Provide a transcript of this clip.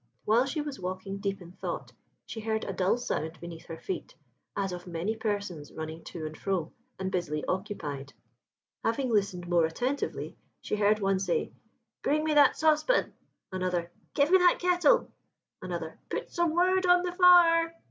While she was walking, deep in thought, she heard a dull sound beneath her feet, as of many persons running to and fro, and busily occupied. Having listened more attentively, she heard one say, "Bring me that saucepan;" another, "Give me that kettle;" another, "Put some wood on the fire."